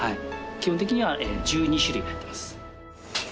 基本的には１２種類入ってます。